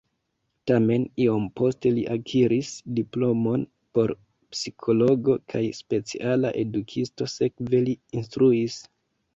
Tamen iom poste li akiris diplomon por psikologo kaj speciala edukisto, sekve li instruis.